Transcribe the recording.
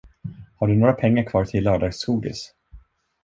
Har du några pengar kvar till lördagsgodis?